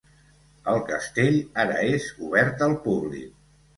El castell ara és obert al públic.